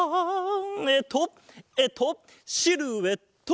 えっとえっとシルエット！